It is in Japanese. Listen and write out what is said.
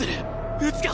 撃つか？